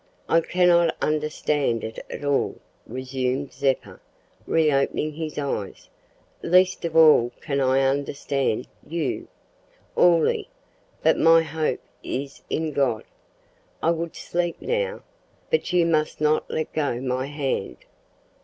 "I cannot understand it at all," resumed Zeppa, reopening his eyes; "least of all can I understand you, Orley, but my hope is in God. I would sleep now, but you must not let go my hand."